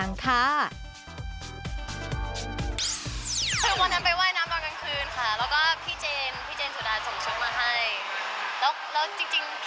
วันนั้นไปว่ายน้ำตอนกลางคืนค่ะ